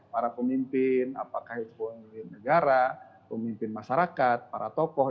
para pemimpin apakah itu pemimpin negara pemimpin masyarakat para tokoh